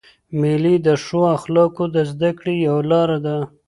مېلې د ښو اخلاقو د زدهکړي یوه لاره ده.